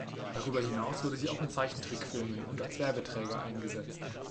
Darüber hinaus wurde sie auch in Zeichentrickfilmen und als Werbeträger eingesetzt.